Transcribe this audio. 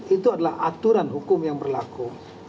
itu adalah aturan hukum yang berlaku